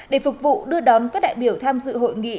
để phục vụ đưa đón các đại biểu tham dự hội nghị